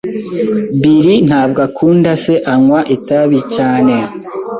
Bill ntabwo akunda ko se anywa itabi cyane.